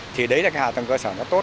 thì đấy là cái hạ tầng cơ sở rất tốt